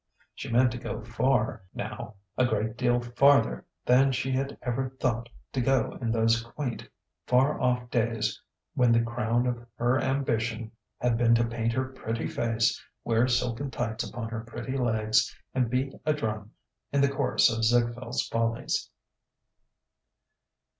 She meant to go far, now, a great deal farther than she had ever thought to go in those quaint, far off days when the crown of her ambition had been to paint her pretty face, wear silken tights upon her pretty legs, and beat a drum in the chorus of Ziegfield's Follies.